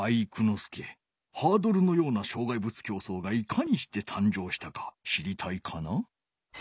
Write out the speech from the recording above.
介ハードルのような障害物競走がいかにしてたんじょうしたか知りたいかな？